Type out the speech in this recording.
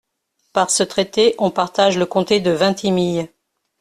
Par ce traité on partage le comté de Vintimille.